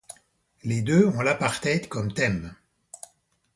Les deux ont l'apartheid comme thème.